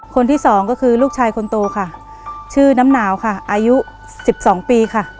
คนที่สองก็คือลูกชายคนโตค่ะชื่อน้ำหนาวค่ะอายุสิบสองปีค่ะ